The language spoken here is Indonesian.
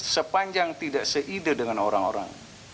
sepanjang tidak seide dengan orang orang